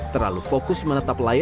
terlalu fokus menetap layaknya